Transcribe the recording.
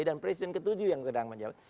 presiden ke tujuh yang sedang menjawab